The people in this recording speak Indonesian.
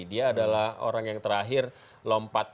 dia adalah orang yang terakhir lompat